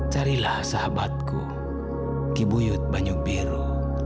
carilah sahabatku kibuyut banyung biru